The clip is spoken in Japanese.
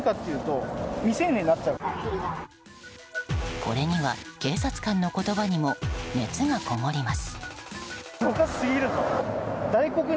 これには、警察官の言葉にも熱がこもります。